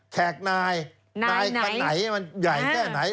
แขกนายนายไหนใหญ่แค่ไหน